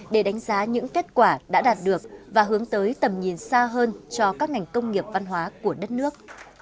để đánh giá những kết quả đã đạt được và hướng tới tầm nhìn xa hơn cho các ngành công nghiệp văn hóa của đất nước